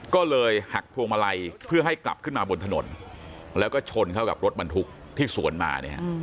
ก็เลยหักพวงมาลัยเพื่อให้กลับขึ้นมาบนถนนแล้วก็ชนเข้ากับรถบรรทุกที่สวนมาเนี่ย